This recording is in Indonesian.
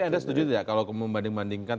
anda setuju tidak kalau membanding bandingkan